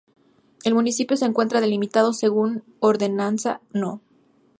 El Municipio se encuentra delimitado según ordenanza No.